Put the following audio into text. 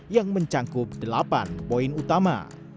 yang mencangkup delapan poin utama